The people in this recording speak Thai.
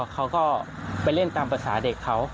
เขาก็ไปเล่นตามภาษาเด็กเขา